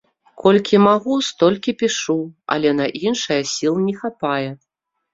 Колькі магу, столькі пішу, але на іншае сіл не хапае.